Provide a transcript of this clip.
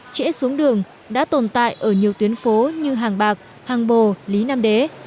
trễ xuống đường đã tồn tại ở nhiều tuyến phố như hàng bạc hàng bồ lý nam đế